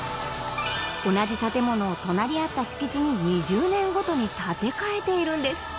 同じ建物を隣り合った敷地に２０年ごとに建て替えているんです